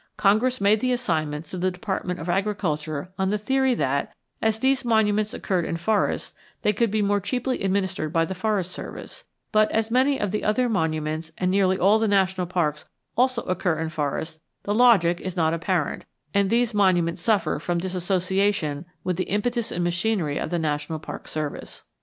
Congress made the assignments to the Department of Agriculture on the theory that, as these monuments occurred in forests, they could be more cheaply administered by the Forest Service; but, as many of the other monuments and nearly all the national parks also occur in forests, the logic is not apparent, and these monuments suffer from disassociation with the impetus and machinery of the National Park Service.